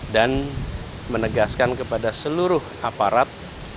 dan menegaskan kepada seluruh aparat